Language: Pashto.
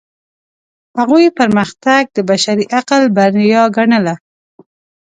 هغوی پرمختګ د بشري عقل بریا ګڼله.